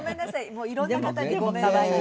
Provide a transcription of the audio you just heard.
もういろんな方にごめんなさい。